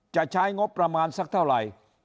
จะใช้งบประมาณสักเท่าไหร่